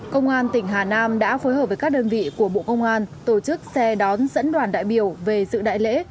công an tỉnh hà nam đã phối hợp với các đơn vị của bộ công an tổ chức xe đón dẫn đoàn đại biểu về dự đại lễ